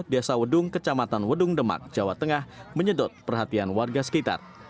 desa wedung kecamatan wedung demak jawa tengah menyedot perhatian warga sekitar